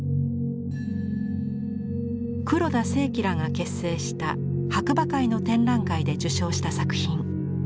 黒田清輝らが結成した「白馬会」の展覧会で受賞した作品。